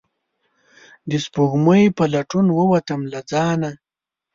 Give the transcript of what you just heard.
د سپوږمۍ په لټون ووتم له ځانه